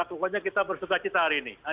pokoknya kita bersuka cita hari ini